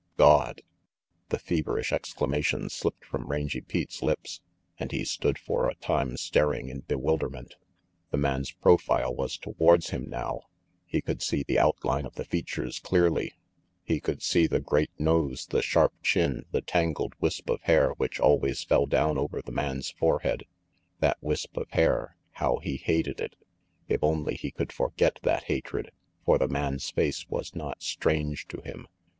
"Gawd!" The feverish exclamation slipped from Rangy Pete's lips, and he stood for a time staring in bewilderment. The man's profile was towards him now. He could see the outline of the features clearly. He RANGY PETE 331 could see the great nose, the sharp chin, the tangled wisp of hair which always fell down over the man's forehead. That wisp of hair, how he hated it. If only he could forget that hatred, for the man's face was not strange to him.